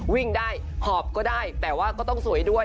วิ่งได้หอบก็ได้แต่ว่าก็ต้องสวยด้วย